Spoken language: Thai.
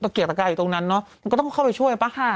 ใช่พอเลือดตะกายอยู่ตรงนั้นเนอะก็ต้องเข้าไปช่วยป่ะค่ะ